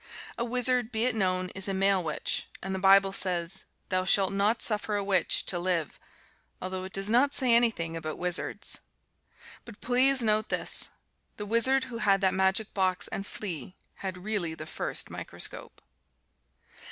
A wizard, be it known, is a male witch, and the Bible says, "Thou shalt not suffer a witch to live," although it does not say anything about wizards. But please note this: the wizard who had that magic box and flea had really the first microscope.